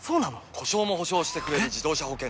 故障も補償してくれる自動車保険といえば？